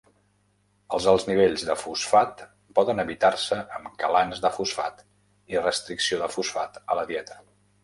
Els alts nivells de fosfat poden evitar-se amb quelants de fosfat i restricció de fosfat a la dieta.